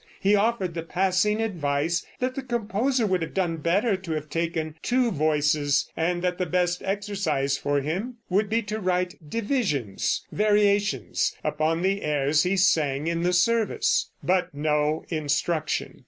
He offered the passing advice, that the composer would have done better to have taken two voices, and that the best exercise for him would be to write "divisions" (variations) upon the airs he sang in the service but no instruction.